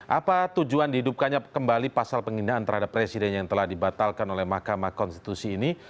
apa tujuan dihidupkannya kembali pasal penghinaan terhadap presiden yang telah dibatalkan oleh mahkamah konstitusi ini